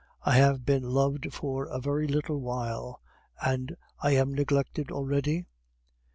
I have been loved for a very little while, and I am neglected already?